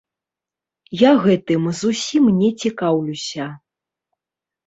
Я гэтым зусім не цікаўлюся.